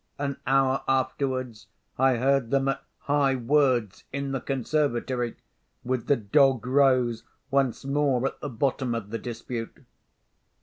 An hour afterwards, I heard them at high words in the conservatory, with the dog rose once more at the bottom of the dispute.